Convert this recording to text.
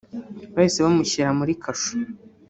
bahise bamushyira muri kasho